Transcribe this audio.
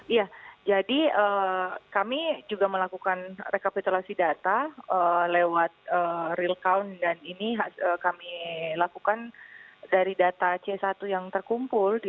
iya jadi kami juga melakukan rekapitulasi data lewat real count dan ini kami lakukan dari data c satu yang terkumpul